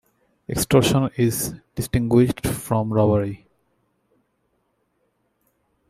Extortion is distinguished from robbery.